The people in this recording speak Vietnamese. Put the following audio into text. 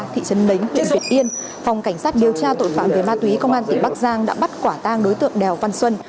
phòng cảnh sát điều tra tội phạm về ma túy công an tỉnh bắc giang đã bắt quả tang đối tượng đèo văn xuân